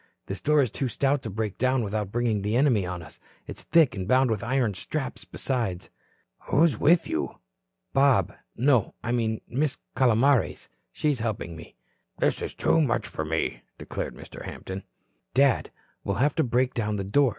This door is too stout to break down without bringing the enemy on us. It's thick and bound with iron straps besides." "Who is with you?" "Bob. No. I mean Miss Calomares. She's helping me." "This is too much for me," declared Mr. Hampton. "Dad, we'll have to break down the door.